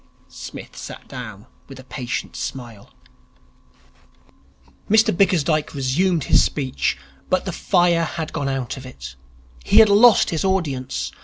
Psmith sat down with a patient smile. Mr Bickersdyke resumed his speech. But the fire had gone out of it. He had lost his audience.